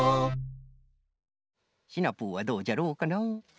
シナプーはどうじゃろうかな？